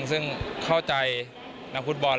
ซึ่งเข้าใจนักฟุตบอล